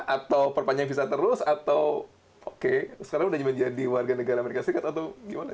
atau perpanjangan visa terus atau oke sekarang udah jadi warga negara amerika serikat atau gimana